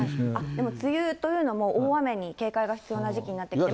でも梅雨というのも、大雨に警戒が必要な時期になってきて。